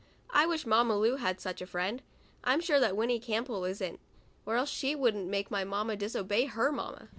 I wish Mamma Lu had such a friend. I am sure that Winnie Campbell isn't, or else she wouldn't make my mamma disobey her mamma.